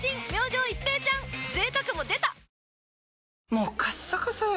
もうカッサカサよ